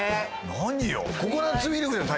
何よ？